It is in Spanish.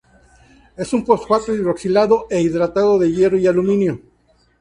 Es un fosfato hidroxilado e hidratado de hierro y aluminio.